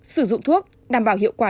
sử dụng thuốc đảm bảo hiệu quả